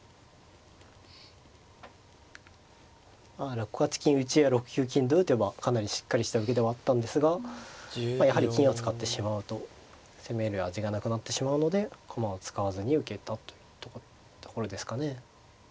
６八金打や６九金と打てばかなりしっかりした受けではあったんですがやはり金を使ってしまうと攻める味がなくなってしまうので駒を使わずに受けたというところですかね。